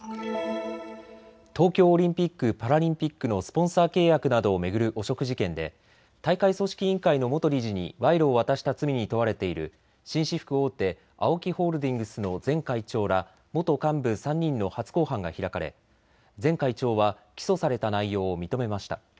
東京オリンピック・パラリンピックのスポンサー契約などを巡る汚職事件で大会組織委員会の元理事に賄賂を渡した罪に問われている紳士服大手ＡＯＫＩホールディングスの前会長ら元幹部３人の初公判が開かれ前会長は起訴された内容を認めました。